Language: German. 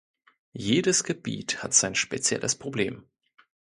Jedes Gebiet hat sein spezielles Problem.